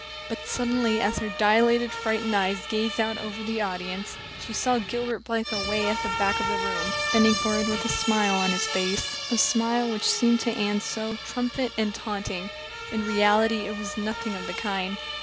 But suddenly, as her dilated, frightened eyes gazed out over the audience, she saw Gilbert Blythe away at the back of the room, bending forward with a smile on his face a smile which seemed to Anne at once triumphant and taunting. In reality it was nothing of the kind.